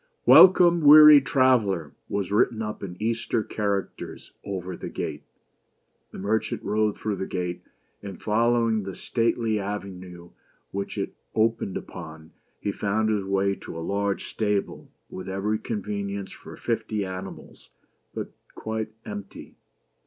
"Welcome, weary Traveler!'' was written up in Eastern characters over the gate. The merchant rode through the gate, and following the stately avenue which it opened upon, he found his way to a large stable, with every convenience for fifty animals, but quite empty.